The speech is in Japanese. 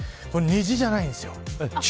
これ、虹じゃないんですよ。